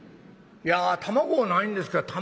いや卵ないんですか。